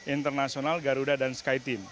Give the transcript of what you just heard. internasional garuda dan sky team